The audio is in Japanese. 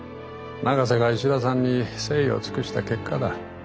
永瀬が石田さんに誠意を尽くした結果だ。